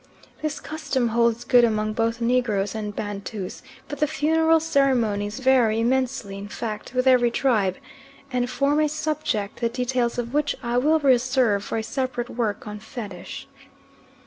This custom holds good among both Negroes and Bantus; but the funeral ceremonies vary immensely, in fact with every tribe, and form a subject the details of which I will reserve for a separate work on Fetish.